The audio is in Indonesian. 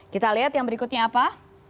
kita lihat yang berikutnya apa